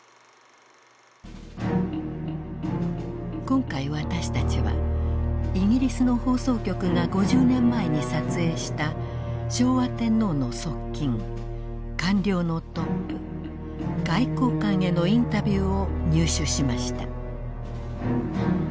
今回私たちはイギリスの放送局が５０年前に撮影した昭和天皇の側近官僚のトップ外交官へのインタビューを入手しました。